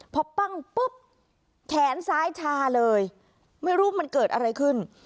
พอปั้งปุ๊บแขนซ้ายชาเลยไม่รู้มันเกิดอะไรขึ้น